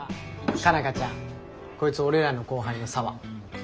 佳奈花ちゃんこいつ俺らの後輩の沙和。